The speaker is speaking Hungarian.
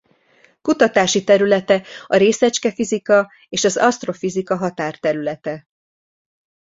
Kutatási területe a részecskefizika és az asztrofizika határterülete.